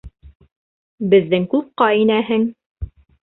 Беҙҙең клубҡа инәһең.